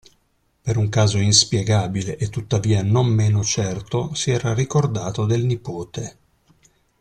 Per un caso inspiegabile e tuttavia non meno certo, si era ricordato del nipote.